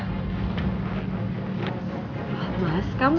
harian tidak rena